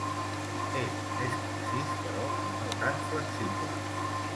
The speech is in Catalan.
És més concís però no tan flexible.